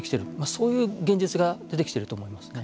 そういう現実が出てきていると思いますね。